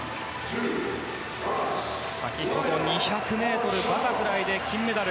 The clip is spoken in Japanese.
先ほど２００ｍバタフライで金メダル。